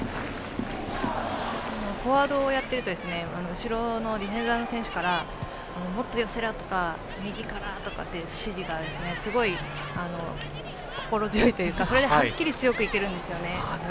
フォワードをやっていると後ろのディフェンダーの選手からもっと寄せろとか右からとかっていう指示がすごい心強いというかそれだけはっきり強く言っているんですよね。